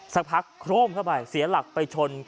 สักพักโครมเข้าไปเสียหลักไปชน